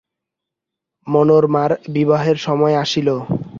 মনোরমার বিবাহের সময় আসিল।